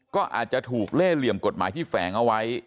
ก็อาจจะถูกเล่เหลี่ยมกฎหมายที่แฝงเอาไว้